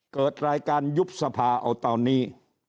เกิดรายการยุบสภาเอาตอนนี้